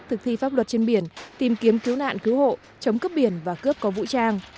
thực thi pháp luật trên biển tìm kiếm cứu nạn cứu hộ chống cướp biển và cướp có vũ trang